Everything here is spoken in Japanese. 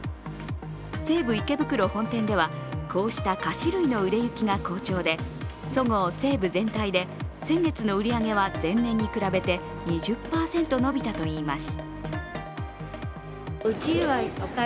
西武池袋本店ではこうした菓子類の売れ行きが好調でそごう・西武全体で先月の売り上げは前年に比べて２０％伸びたといいます。